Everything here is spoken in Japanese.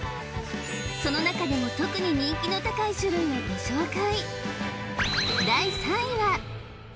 その中でも特に人気の高い種類をご紹介